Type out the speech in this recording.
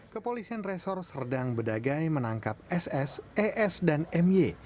kepolisian resor serdang bedagai menangkap ss es dan my